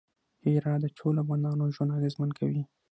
هرات د ټولو افغانانو ژوند اغېزمن کوي.